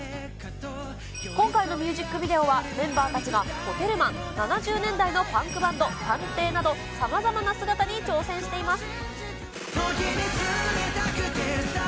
今回のミュージックビデオは、メンバーたちがホテルマン、７０年代のパンクバンド、探偵などさまざまな姿に挑戦しています。